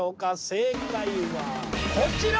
正解はこちら！